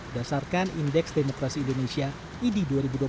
berdasarkan indeks demokrasi indonesia idi dua ribu dua puluh